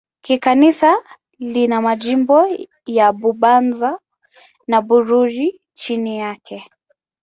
Kikanisa lina majimbo ya Bubanza na Bururi chini yake.